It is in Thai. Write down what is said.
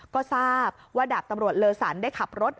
ก็ทราบว่าดาบตำรวจเลอสันได้ขับรถ